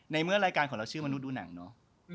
ในเมื่อรายการของเราชื่อมนุษย์ดูหนังเนาะ